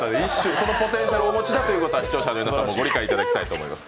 そのポテンシャルをお持ちだということは視聴者の皆さんにはご理解いただきたいと思います。